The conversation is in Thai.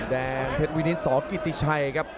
แดงเพชรวินิตสกิติชัยครับ